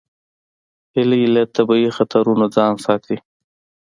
هیلۍ له طبیعي خطرونو ځان ساتي